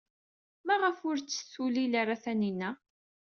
Maɣef ur tt-tulil ara Taninna?